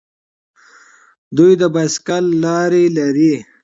دوی د بایسکل لارې لري.